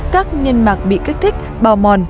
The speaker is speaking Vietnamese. các niên mạc bị kích thích bào mòn